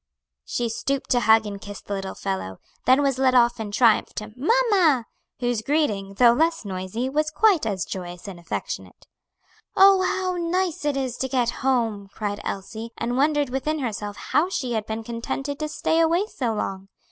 She stooped to hug and kiss the little fellow, then was led off in triumph to "mamma," whose greeting, though less noisy, was quite as joyous and affectionate. "Oh, how nice it is to get home!" cried Elsie, and wondered within herself how she had been contented to stay away so long.